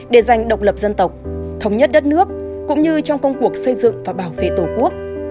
để giành độc lập dân tộc thống nhất đất nước cũng như trong công cuộc xây dựng và bảo vệ tổ quốc